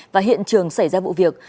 và hiện trường xảy ra vụ việc